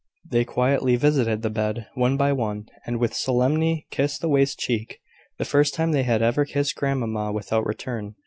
They quietly visited the bed, one by one, and with solemnity kissed the wasted cheek, the first time they had ever kissed grandmamma without return.